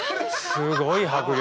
すごい迫力。